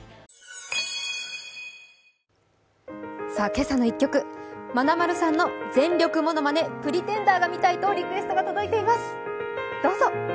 「けさの１曲」、まなまるさんの全力ものまね、「Ｐｒｅｔｅｎｄｅｒ」が見たいとリクエストが届いています。